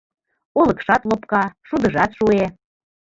Олыкшат лопка, шудыжат шуэ